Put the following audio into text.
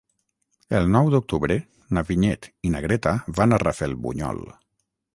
El nou d'octubre na Vinyet i na Greta van a Rafelbunyol.